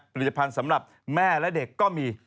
ผลิตภัณฑ์สำหรับแม่และเด็กก็มี